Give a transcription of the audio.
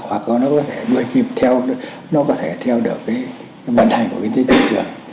hoặc là nó có thể đuôi hiệp theo nó có thể theo được vận hành của kinh tế thị trường